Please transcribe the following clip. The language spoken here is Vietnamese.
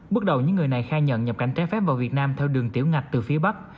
bước đầu những người này khai nhận nhập cảnh trái phép vào việt nam theo đường tiểu ngạch từ phía bắc